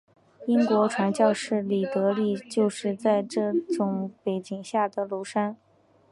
英国传教士李德立就是在这种背景下来到庐山。